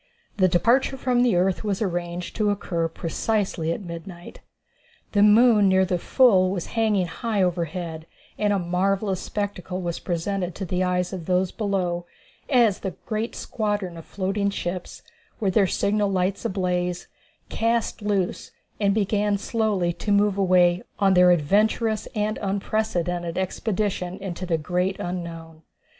The departure from the earth was arranged to occur precisely at midnight. The moon near the full was hanging high over head, and a marvellous spectacle was presented to the eyes of those below as the great squadron of floating ships, with their signal lights ablaze, cast loose and began slowly to move away on their adventurous and unprecedented expedition into the great unknown.